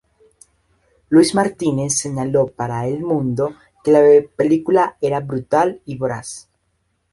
Luis Martínez señaló para "El Mundo" que la película era "brutal y voraz.